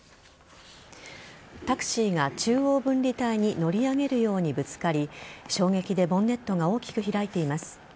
タクシーが中央分離帯に乗り上げるようにぶつかり衝撃でボンネットが大きく開いています。